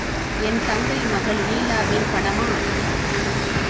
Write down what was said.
என் தங்கை மகள் லீலாவின் படமா?